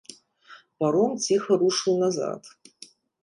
Паром ціха рушыў назад.